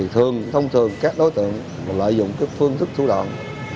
thường thông thường các đối tượng lợi dụng phương thức thủ đoạn